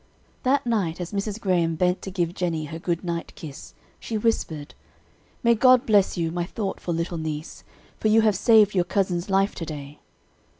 That night as Mrs. Graham bent to give Jennie her good night kiss, she whispered, "May God bless you, my thoughtful little niece, for you have saved your cousin's life to day!"